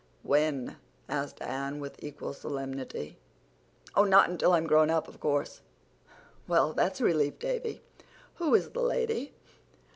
"When?" asked Anne with equal solemnity. "Oh, not until I'm grown up, of course." "Well, that's a relief, Davy. Who is the lady?"